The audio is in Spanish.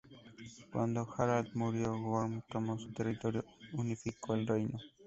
Cuando Harald murió, Gorm tomó su territorio y unificó el reino.